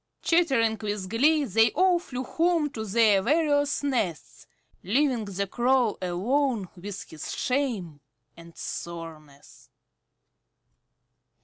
Chattering with glee they all flew home to their various nests, leaving the Crow alone with his shame and soreness.